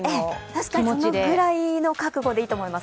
確かに、そのぐらいの覚悟でいいと思います。